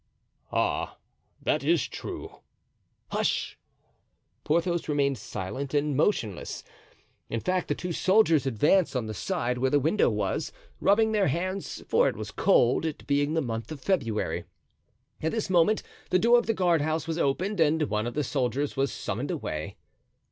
"Ah, that is true." "Hush!" Porthos remained silent and motionless. In fact, the two soldiers advanced on the side where the window was, rubbing their hands, for it was cold, it being the month of February. At this moment the door of the guardhouse was opened and one of the soldiers was summoned away.